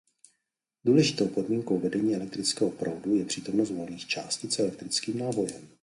Důležitou podmínkou vedení elektrického proudu je přítomnost "volných" částic s elektrickým nábojem.